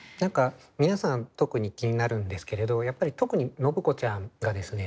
皆さん特に気になるんですけれどやっぱり特に信子ちゃんがですね